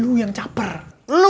lu yang caper lu